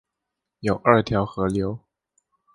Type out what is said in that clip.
有二条河流